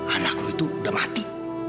anak lu itu udah mati